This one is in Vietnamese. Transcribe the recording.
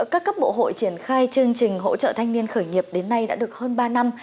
các cấp bộ hội triển khai chương trình hỗ trợ thanh niên khởi nghiệp đến nay đã được hơn ba năm